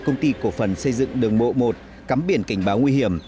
công ty cổ phần xây dựng đường bộ một cắm biển cảnh báo nguy hiểm